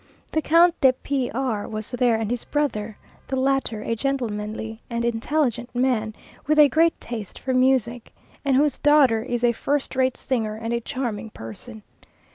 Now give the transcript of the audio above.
The Count de P r was there and his brother; the latter a gentlemanly and intelligent man, with a great taste for music, and whose daughter is a first rate singer and a charming person.